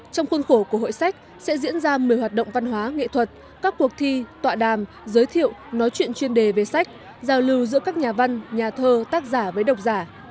trong khuôn khổ của hội sách sẽ diễn ra một mươi hoạt động văn hóa nghệ thuật các cuộc thi tọa đàm giới thiệu nói chuyện chuyên đề về sách giao lưu giữa các nhà văn nhà thơ tác giả với độc giả